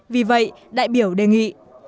vì vậy đại biểu đề nghị